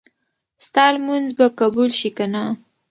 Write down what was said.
ستا لمونځ به قبول شي که نه؟